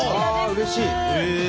うれしい！